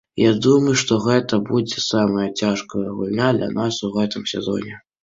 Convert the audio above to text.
Я думаю, што гэта будзе самая цяжкая гульня для нас у гэтым сезоне.